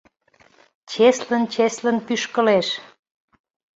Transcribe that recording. Чеслын-чеслын пӱшкылеш